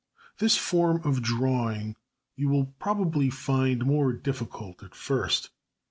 This form of drawing you will probably find more difficult at first.